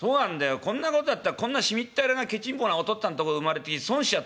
こんなことだったらこんなしみったれなけちんぼなお父っつぁんとこ生まれて損しちゃった。